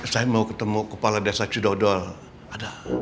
saya mau ketemu kepala desa cidodol ada